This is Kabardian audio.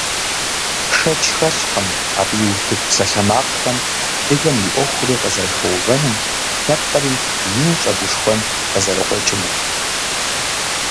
Шэч хэлъкъым, абы и утыку псалъэмакъхэм адыгэм и Ӏуэхури къызэрыхэувэнум, лъэпкъри ину щӀэгушхуэн къызэрыкъуэкӀынум.